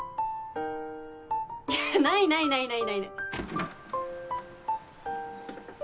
いやないないないない。